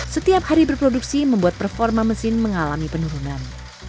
setiap hari berproduksi membuat performa mesin mengalami penurunan